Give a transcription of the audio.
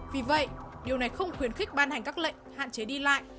vì vậy điều này không khuyến khích ban hành các lệnh hạn chế đi lại